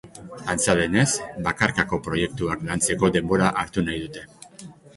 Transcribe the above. Antza denez, bakarkako proiektuak lantzeko denbora hartu nahi dute.